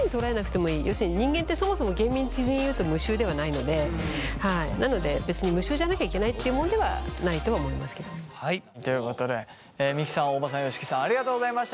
要するに人間ってそもそも厳密に言うと無臭ではないのでなので別に無臭じゃなきゃいけないっていうものではないとは思いますけれども。ということで三木さん大場さん吉木さんありがとうございました。